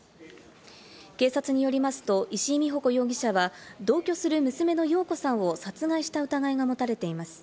警察によりますと、石井美保子容疑者は同居する娘の庸子さんを殺害した疑いが持たれています。